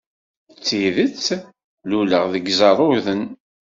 Deg tidet, luleɣ deg Iẓerruden.